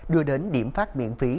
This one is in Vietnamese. đưa đến điểm phát miễn phí